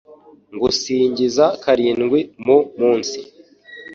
Ngusingiza karindwi mu munsi